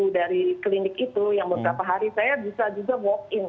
karena di klinik itu yang beberapa hari saya bisa juga walk in